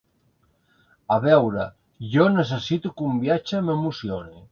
A veure, jo necessito que un viatge m’emocioni.